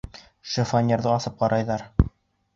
Шифоньерҙы асып ҡарайҙар.